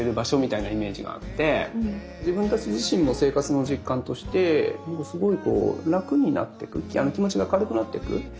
自分たち自身も生活の実感としてすごいこう楽になってく気持ちが軽くなっていく。